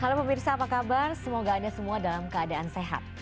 halo pemirsa apa kabar semoga anda semua dalam keadaan sehat